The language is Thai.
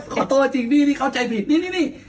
ขอโทษจริงพี่เข้าใจผิดนี่